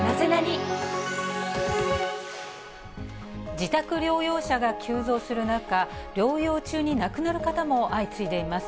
自宅療養者が急増する中、療養中に亡くなる方も相次いでいます。